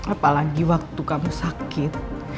apalagi waktu kamu sakit